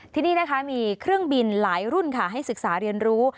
ที่นี่นะคะมีเครื่องบินหลายรุ่นค่ะให้ศึกษาเรียนรู้